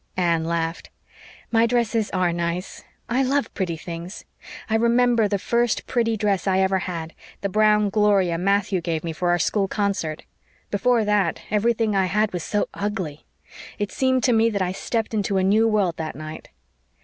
'" Anne laughed. "My dresses ARE nice. I love pretty things. I remember the first pretty dress I ever had the brown gloria Matthew gave me for our school concert. Before that everything I had was so ugly. It seemed to me that I stepped into a new world that night."